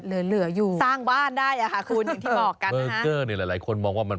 เหลืออยู่สร้างบ้านได้คุณ